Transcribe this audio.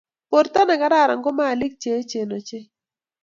Borto ne kararan ko maliik che echeen ochei.